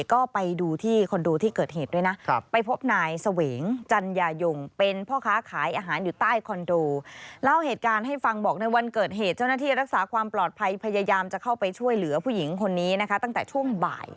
ก็ไปดูที่คอนโดที่เกิดเหตุด้วยนะ